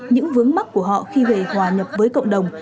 những vướng mắt của họ khi về hòa nhập với cộng đồng